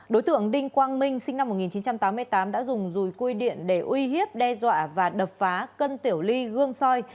đối tượng đinh quang minh sinh năm một nghìn chín trăm tám mươi tám đã dùng rùi cui điện để uy hiếp đe dọa và đập phá cân tiểu ly gương soi